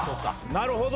なるほど！